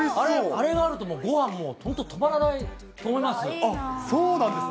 あれがあるとごはん、本当、止まらないと思います。